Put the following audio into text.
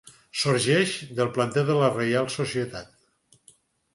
Sorgeix del planter de la Reial Societat.